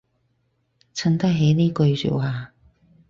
襯得起呢句說話